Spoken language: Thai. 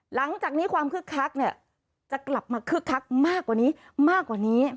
หลังจากนี้ความคึกคักเนี่ยจะกลับมาคึกคักมากกว่านี้มากกว่านี้